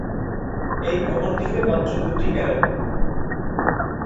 এই ভবনটিতে মাত্র দু'টি গ্যালারি।